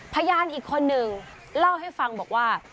พยานอีกคนหนึ่งเล่าให้ฟังบอกว่า